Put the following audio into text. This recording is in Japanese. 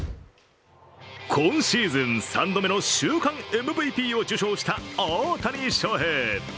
今シーズン３度目の週間ＭＶＰを受賞した大谷翔平。